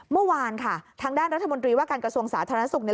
เมื่อวานค่ะทางด้านรัฐมนตรีว่าการกระทรวงศาสตร์ธรรมนักศึกษ์